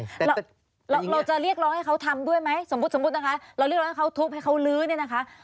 เราเราจะเรียกร้องให้เขาทำด้วยไหมสมมุติสมมุตินะคะเราเรียกร้องให้เขาทุบให้เขาลื้อเนี่ยนะคะ